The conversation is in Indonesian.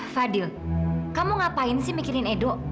fadil kamu ngapain sih mikirin edo